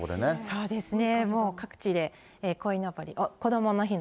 そうですね。